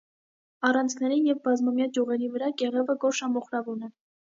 Առանցքների և բազմամյա ճյուղերի վրա կեղևը գորշամոխրավուն է։